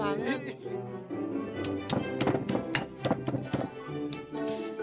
oh my god nanti nge end maku kebun bunan muntas sih